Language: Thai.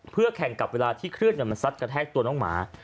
เพื่อแข่งกับเวลาที่คลื่นมันซัดกระแทกตัวน้องหมา